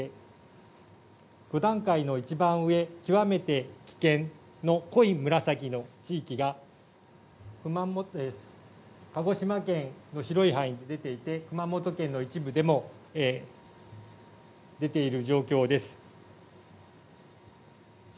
５段階の一番上、極めて危険の濃い紫の地域が、鹿児島県の広い範囲で出ていて、熊本県の一部でも出ている状況です。